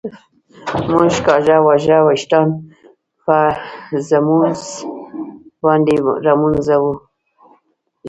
مونږ کاږه واږه وېښتان په ږمونځ باندي ږمنځوو